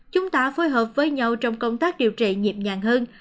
chúng ta phối hợp với nhau trong công tác điều trị nhịp nhàng hơn